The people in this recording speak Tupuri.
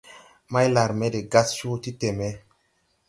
Maylarme de gas coo ti teme.